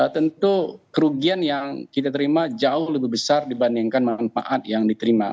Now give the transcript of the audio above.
tentu kerugian yang kita terima jauh lebih besar dibandingkan manfaat yang diterima